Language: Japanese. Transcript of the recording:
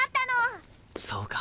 そうか。